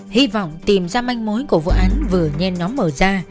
hy vọng tìm ra manh mối của vụ án vừa nhen nó mở ra